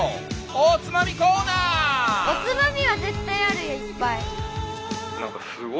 おつまみは絶対あるよいっぱい！